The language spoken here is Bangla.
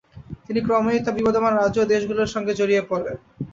কিন্তু ক্রমেই তা বিবদমান রাজ্য ও দেশগুলো এর সঙ্গে জড়িয়ে পড়ে।